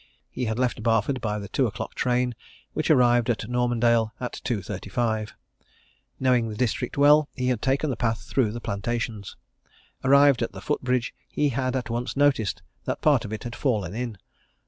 He had left Barford by the two o'clock train, which arrived at Normandale at two thirty five. Knowing the district well, he had taken the path through the plantations. Arrived at the foot bridge, he had at once noticed that part of it had fallen in.